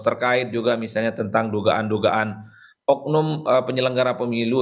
terkait juga misalnya tentang dugaan dugaan oknum penyelenggara pemilu